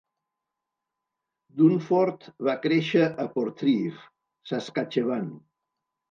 Dunford va créixer a Portreeve, Saskatchewan.